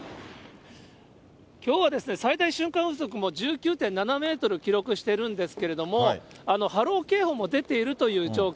きょうは最大瞬間風速も１９．７メートル記録してるんですけれども、波浪警報も出ているという状況。